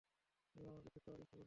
তুমি আমাকে ঠিক করার চেষ্টা করেছিলে।